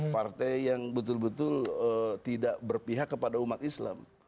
partai yang betul betul tidak berpihak kepada umat islam